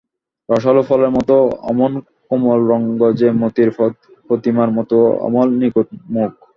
রসালো ফলের মতো অমন কোমল রঙ যে মতির, প্রতিমার মতো অমল নিখুঁত মুখ?